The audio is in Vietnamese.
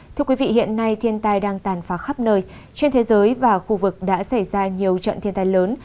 thưa quý vị hiện nay thiên tai đang tàn phá khắp nơi trên thế giới và khu vực đã xảy ra nhiều trận thiên tai lớn